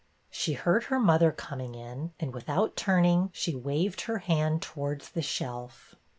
She heard her mother coming in, and, without turning, she waved her hand towards the shelf.